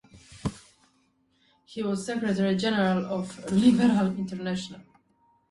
He was secretary general of Liberal International.